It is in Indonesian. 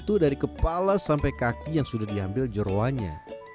ayam utuh dari kepala sampai kaki yang sudah diambil jeruanya